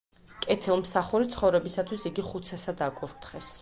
კეთილმსახური ცხოვრებისათვის იგი ხუცესად აკურთხეს.